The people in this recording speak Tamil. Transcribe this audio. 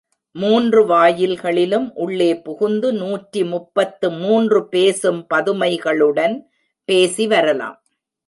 மூன்று வாயில்களிலும் உள்ளே புகுந்து நூற்றி முப்பத்து மூன்று பேசும் பதுமைகளுடன் பேசி வரலாம்.